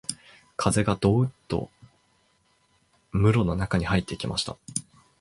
風がどうっと室の中に入ってきました